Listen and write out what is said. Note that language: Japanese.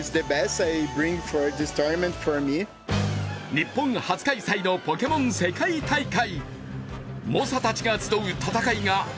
日本初開催のポケモン世界大会。